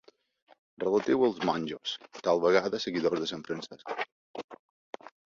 Relatiu als monjos, tal vegada seguidors de Sant Francesc.